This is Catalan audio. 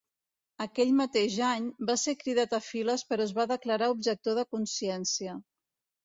Aquell mateix any, va ser cridat a files però es va declarar objector de consciència.